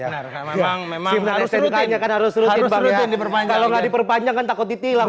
kalau gak diperpanjang kan takut ditilang